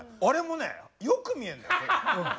あれもねよく見えるのよ。